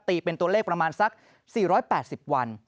เป็นตัวเลขประมาณสัก๔๘๐วัน